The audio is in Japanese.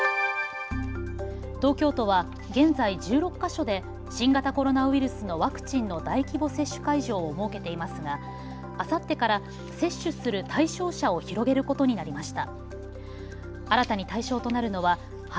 東京都は現在１６か所で新型コロナウイルスのワクチンの大規模接種会場を設けていますがあさってから接種する対象者を広げることになりました。